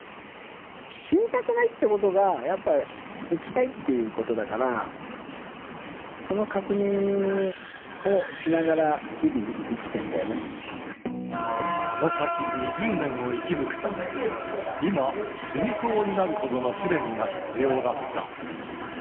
死にたくないってことが、やっぱり生きたいっていうことだから、その確認をしながら日々、この先２０年を生き抜くため、今、死にそうになるほどの試練が必要だった。